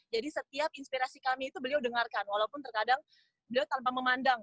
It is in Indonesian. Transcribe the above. setiap inspirasi kami itu beliau dengarkan walaupun terkadang beliau tanpa memandang